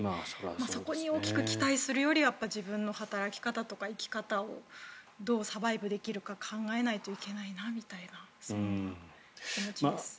そこに大きく期待するよりは自分の働き方とか生き方を、どうサバイブできるか考えないといけないなみたいなそんな気持ちです。